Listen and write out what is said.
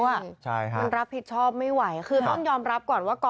มันรับผิดชอบไม่ไหวคือต้องยอมรับก่อนว่า